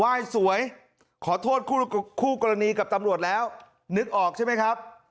สวยขอโทษคู่กรณีกับตำรวจแล้วนึกออกใช่ไหมครับ